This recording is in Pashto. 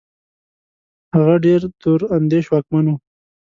هغه ډېر دور اندېش واکمن وو.